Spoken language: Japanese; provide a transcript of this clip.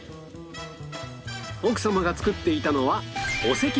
奥様が作っていたのはお赤飯